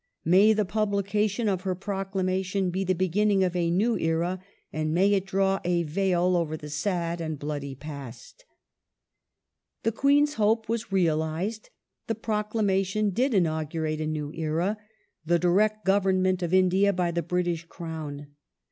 May the publication of her proclamation be the beginning of a new era, and may it draw a veil over the sad and bloody past." ^ The Queen's hope was realized ; the proclamation did inaugu rate a new era — the direct government of India by the British Crown.